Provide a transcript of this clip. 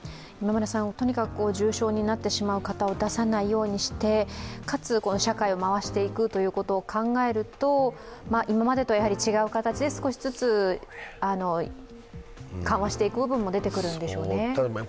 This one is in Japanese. とにかく重症になってしまう方を出さないようにしてかつ社会を回していくということを考えると、今までと違う形で少しずつ緩和していく部分も出てくるんでしょうね。